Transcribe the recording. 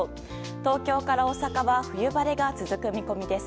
東京から大阪は冬晴れが続く見込みです。